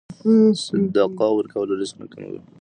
صدقه ورکول رزق نه کموي.